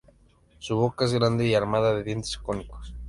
Su boca es grande y armada de dientes cónicos.